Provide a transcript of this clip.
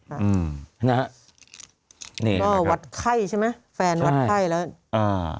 อืมนะฮะนี่ก็วัดไข้ใช่ไหมแฟนวัดไข้แล้วอ่า